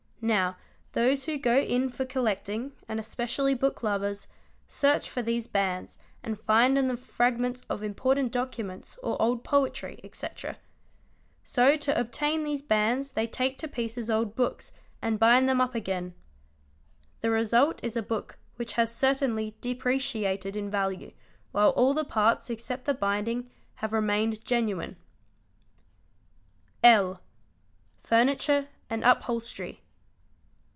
Now, those who go in for — collecting, and especially book lovers, search for these bands and find on them fragments of important documents or old poetry, etc. So to obtain these bands they take to pieces old books and bind them up again. The result is a book which has certainly depreciated in value while all the parts except the binding have remained genuine. L. Furniture and Upholstery.